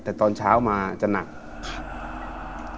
แต่ตอนเช้ามาจะหนัก